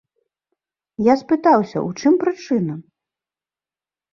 Я спытаўся, у чым прычына?